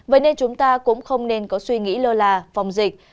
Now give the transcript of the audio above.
vậy nên chúng ta cũng không nên có suy nghĩ lơ là phòng dịch